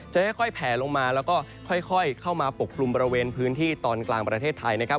จะค่อยแผลลงมาแล้วก็ค่อยเข้ามาปกคลุมบริเวณพื้นที่ตอนกลางประเทศไทยนะครับ